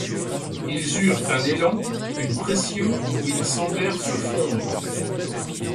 Ils eurent un élan, une pression où ils semblèrent se fondre.